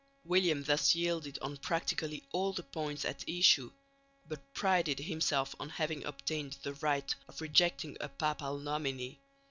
William thus yielded on practically all the points at issue, but prided himself on having obtained the right of rejecting a papal nominee.